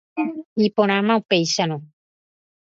Iporãma upéicharõ.